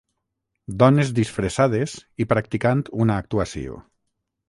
Dones disfressades i practicant una actuació.